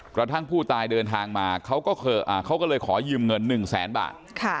กระทั่งผู้ตายเดินทางมาเขาก็เลยขอยืมเงิน๑แสนบาท